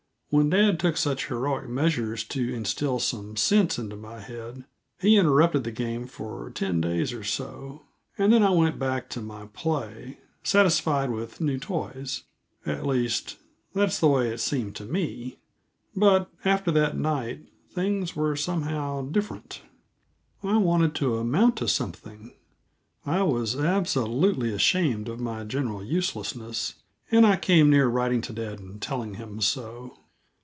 When dad took such heroic measures to instil some sense into my head, he interrupted the game for ten days or so and then I went back to my play, satisfied with new toys. At least, that is the way it seemed to me. But after that night, things were somehow different. I wanted to amount to something; I was absolutely ashamed of my general uselessness, and I came near writing to dad and telling him so.